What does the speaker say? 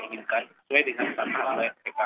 jika ini tidak akan dilakukan